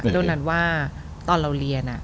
โดนนั้นว่าตอนเราเรียน